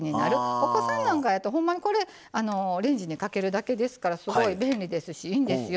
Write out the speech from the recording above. お子さんなんかやとほんまにレンジにかけるだけですからすごい便利ですし、いいんですよ。